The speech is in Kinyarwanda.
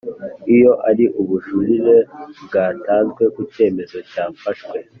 Iyo ari ubujurire bwatanzwe ku cyemezo cyafashwe